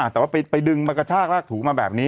แต่ว่าไปดึงมากระชากลากถูมาแบบนี้